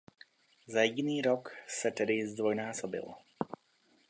Za jediný rok se tedy zdvojnásobil.